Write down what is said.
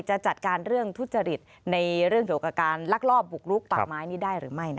จะจัดการเรื่องทุจริตในเรื่องเกี่ยวกับการลักลอบบุกลุกป่าไม้นี้ได้หรือไม่